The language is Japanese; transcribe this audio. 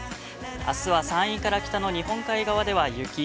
あすは山陰から北の日本海側では、雪。